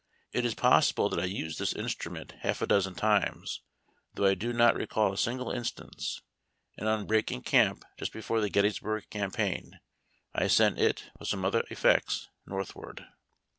It is possible that I used this instrument half a dozen times, though I do not recall a single instance, and on breaking camp just before the Gettysburg Campaign, I sent it, with some other effects, northward.